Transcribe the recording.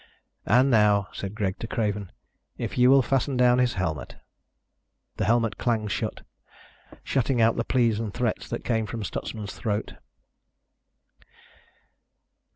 "And now," said Greg to Craven, "if you will fasten down his helmet." The helmet clanged shut, shutting out the pleas and threats that came from Stutsman's throat.